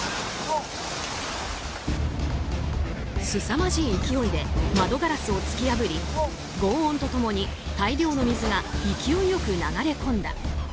すさまじい勢いで窓ガラスを突き破り轟音と共に大量の水が勢いよく流れ込んだ。